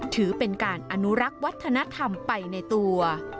ถือเป็นการอนุรักษ์วัฒนธรรมไปในตัว